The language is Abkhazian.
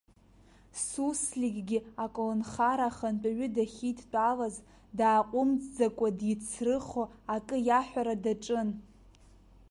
Сусликгьы аколнхара ахантәаҩы дахьидтәалаз, дааҟәымҵӡакәа дицрыхо акы иаҳәара даҿын.